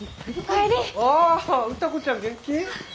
あ歌子ちゃん元気？